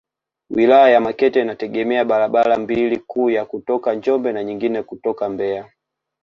Wilaya ya Makete inategemea barabara mbili kuu ya kutoka Njombe na nyingine kutoka Mbeya